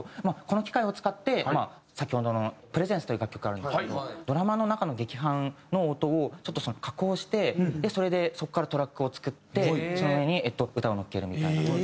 まあこの機械を使って先ほどの『Ｐｒｅｓｅｎｃｅ』という楽曲があるんですけどドラマの中の劇伴の音をちょっと加工してそれでそこからトラックを作ってその上に歌を乗っけるみたいな。